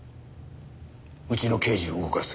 うちの刑事を動かせ。